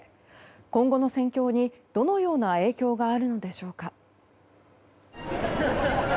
今後の戦況にどのような影響があるのでしょうか。